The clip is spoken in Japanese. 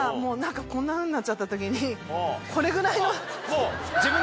こんなふうになっちゃった時にこれぐらいの。